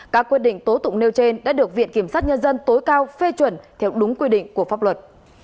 các quyết định tố tụng nêu trên đã được viện kiểm sát nhân dân tối cao phê chuẩn theo đúng quy định của pháp luật